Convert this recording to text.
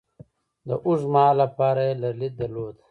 د اوږد مهال لپاره یې لرلید درلود.